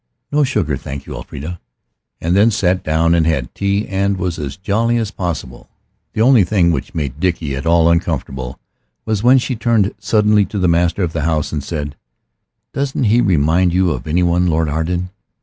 No sugar, thank you, Elfrida" and then sat down and had tea and was as jolly as possible. The only thing which made Dickie at all uncomfortable was when she turned suddenly to the master of the house and said, "Doesn't he remind you of any one, Lord Arden?"